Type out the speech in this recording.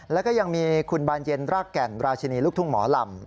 แล้วก็ยังมีคุณบานเย็นรากแก่นราชินีลูกทุ่งหมอลำ